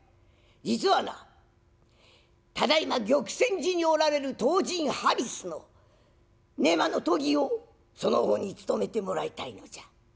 実はなただいま玉泉寺におられる唐人ハリスの寝間の伽をその方に務めてもらいたいのじゃ。